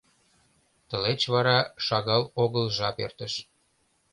Тылеч вара шагал огыл жап эртыш.